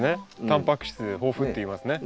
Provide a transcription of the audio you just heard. たんぱく質豊富っていいますね。